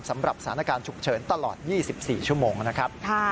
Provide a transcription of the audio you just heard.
สำหรับสถานการณ์ฉุกเฉินตลอด๒๔ชั่วโมงนะครับ